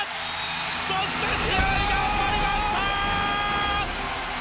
そして試合が終わりました！